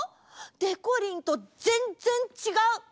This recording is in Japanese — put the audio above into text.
でこりんとぜんぜんちがう！